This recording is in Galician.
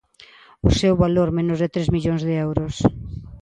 O seu valor: menos de tres millóns de euros.